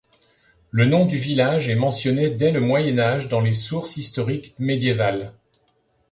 Le nom du village est mentionné dès le Moyen-âge dans les sources historiques médiévales.